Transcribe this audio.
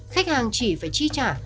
khách hàng chỉ phải chi trả